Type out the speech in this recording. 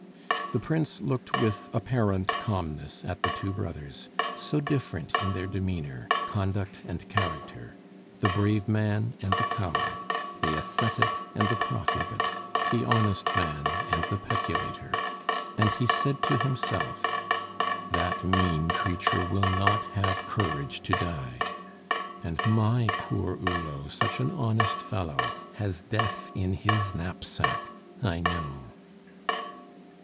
The Prince looked with apparent calmness at the two brothers, so different in their demeanor, conduct, and character the brave man and the coward, the ascetic and the profligate, the honest man and the peculator and he said to himself: "That mean creature will not have courage to die! And my poor Hulot, such an honest fellow! has death in his knapsack, I know!"